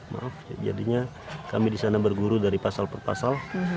maaf jadinya kami di sana berguru dari pasal per pasal